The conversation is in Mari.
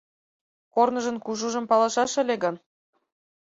Корныжын кужужым палышаш ыле гын